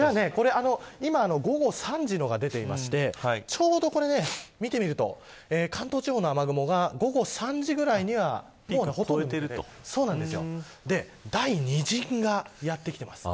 今、午後３時のが出ていましてちょうど、これ見てみると関東地方の雨雲が午後３時ぐらいには第２陣がやってきてます。